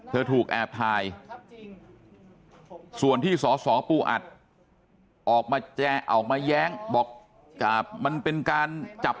ถูกแอบถ่ายส่วนที่สสปูอัดออกมาแย้งบอกมันเป็นการจับ